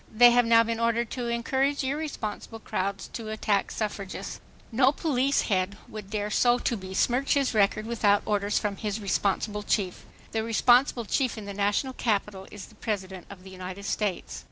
They have now been ordered to encourage irresponsible crowds to attack suffragists. No police head would dare so to besmirch his record without orders from his responsible chief. The responsible chief in the National Capital is the President of the United States."